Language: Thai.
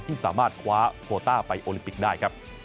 ที่สามารถคว้าโหลิปิกได้